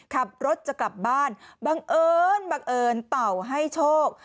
ขับรถจะกลับบ้านบังเอิญบังเอิญเต่าให้โชค